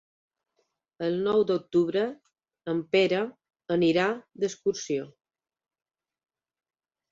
El nou d'octubre en Pere anirà d'excursió.